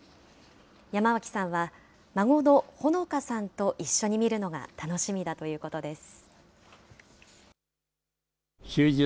山脇さんは、孫の保乃夏さんと一緒に見るのが楽しみだということです。